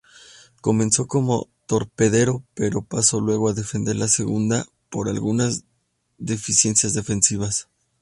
Comenzó como torpedero pero pasó luego a defender la segunda por algunas deficiencias defensivas.